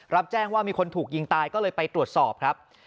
รับแจ้งว่ามีคนถูกยิงตายก็เลยไปตรวจสอบครับ